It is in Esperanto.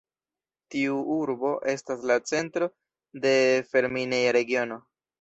Tiu urbo estas la centro de fer-mineja regiono.